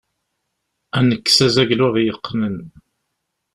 Ad nekkes azaglu i ɣ-yeqqnen.